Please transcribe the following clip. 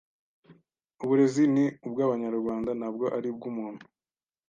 uburezi ni ubw’abanyarwanda ntabwo ari ubw’umuntu